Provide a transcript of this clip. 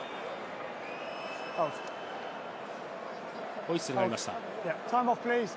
ホイッスルがありました。